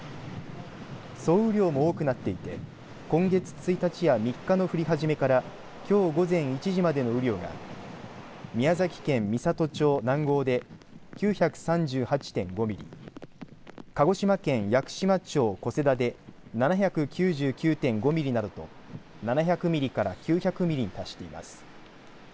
総雨量も多くなっていて今月１日や３日の降り始めからきょう午前１時までの雨量が宮崎県美郷町南郷で９３８．５ミリ鹿児島県屋久島町小瀬田で７９９．５ミリなどと７００ミリから９００ミリに達しています。